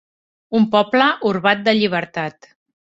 Un poble orbat de llibertat.